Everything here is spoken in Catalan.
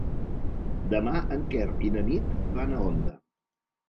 Demà en Quer i na Nit van a Onda.